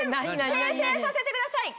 訂正させてください。